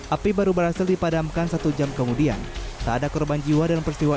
api baru berhasil dipadamkan satu jam kemudian tak ada korban jiwa dalam peristiwa